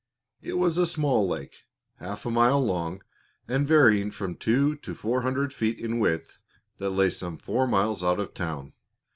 It was a small lake, half a mile long and varying from two to four hundred feet in width, that lay some four miles out of town.